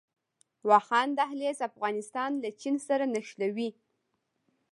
واخان دهلیز افغانستان له چین سره نښلوي